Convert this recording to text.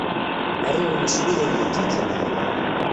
Arraw-nnes lulen deg Ǧiǧel.